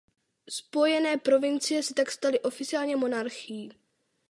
Spojené provincie se tak staly oficiálně monarchií.